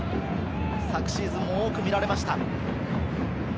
昨シーズンも多く見られました。